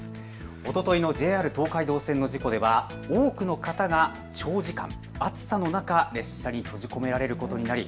おとといのＪＲ東海道線の事故では多くの方が長時間、暑さの中、列車に閉じ込められることになり